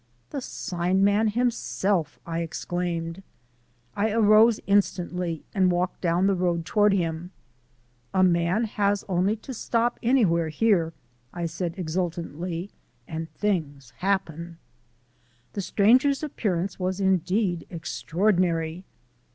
"The sign man himself!" I exclaimed. I arose instantly and walked down the road toward him. "A man has only to stop anywhere here," I said exultantly, "and things happen." The stranger's appearance was indeed extraordinary.